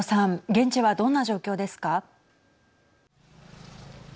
現地は、どんな状況ですか。